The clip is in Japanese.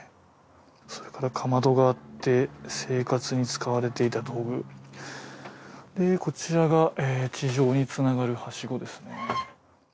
それからかまどがあって生活に使われていた道具でこちらが地上につながるはしごですね